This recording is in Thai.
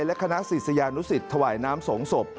และคณะศิษยานุสิตถวายน้ำสงศพ